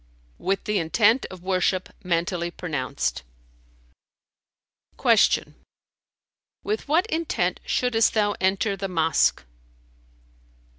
"With the intent of worship mentally pronounced." Q "With what intent shouldest thou enter the mosque?"